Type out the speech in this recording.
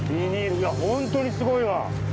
いやホントにすごいわ。